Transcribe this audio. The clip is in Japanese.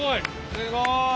すごい。